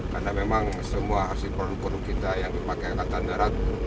karena memang semua hasil produk produk kita yang dipakai angkatan darat